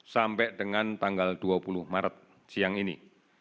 sampai dengan tanggal dua puluh maret siang ini